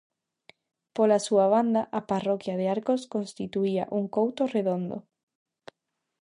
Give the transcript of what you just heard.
Pola súa banda, a parroquia de Arcos constituía un couto redondo.